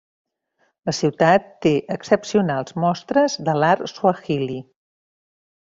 La ciutat té excepcionals mostres de l'art suahili.